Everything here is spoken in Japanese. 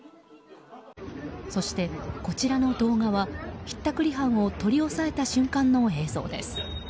そして、こちらの動画はひったくり犯を取り押さえた瞬間の映像です。